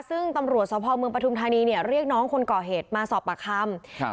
ซึ่งตำรวจสภองเมืองปฐุมธานีเรียกน้องคนก่อเหตุมาสอบประคำ